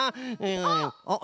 あっ！